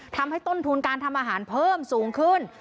ทำให้ต้นทุนการทำอาหารเพิ่มสูงขึ้น